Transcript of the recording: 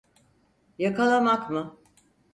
Yakalamak mı?